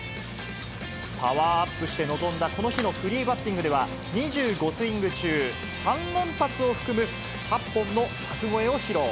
パワーアップして臨んだこの日のフリーバッティングでは、２５スイング中、３連発を含む８本の柵越えを披露。